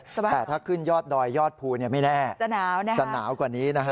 แต่ถ้าขึ้นยอดดอยยอดภูไม่แน่จะหนาวกว่านี้นะฮะ